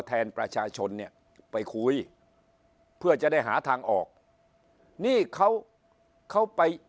แทนประชาชนเนี่ยไปคุยเพื่อจะได้หาทางออกนี่เขาเขาไป